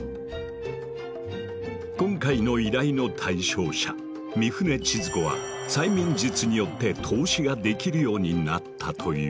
今回の依頼の対象者・御船千鶴子は催眠術によって透視ができるようになったという。